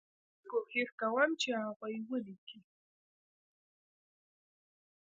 زه کوښښ کوم چې هغوی ولیکي.